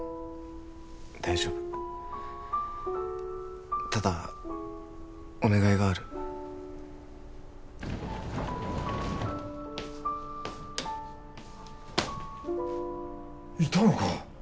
大丈夫ただお願いがあるいたのか？